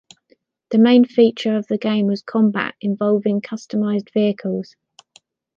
The main feature of the game was combat involving customized vehicles.